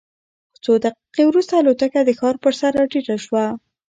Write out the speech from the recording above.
څو دقیقې وروسته الوتکه د ښار پر سر راټیټه شوه.